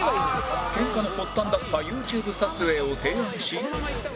ケンカの発端だった ＹｏｕＴｕｂｅ 撮影を提案し